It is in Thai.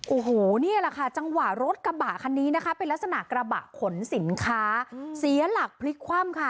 โอ้โหนี่แหละค่ะจังหวะรถกระบะคันนี้นะคะเป็นลักษณะกระบะขนสินค้าเสียหลักพลิกคว่ำค่ะ